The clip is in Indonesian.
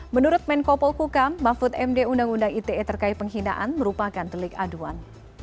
menurut menkopol kukam mahfud md undang undang ite terkait penghinaan merupakan telik aduan